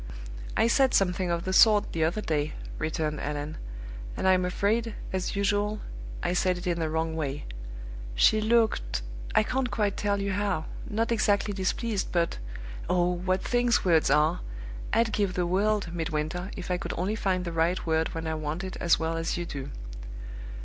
"I said something of the sort the other day," returned Allan: "and I'm afraid, as usual, I said it in the wrong way. She looked I can't quite tell you how; not exactly displeased, but oh, what things words are! I'd give the world, Midwinter, if I could only find the right word when I want it as well as you do."